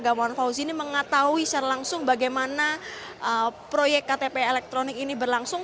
gamawan fauzi ini mengetahui secara langsung bagaimana proyek ktp elektronik ini berlangsung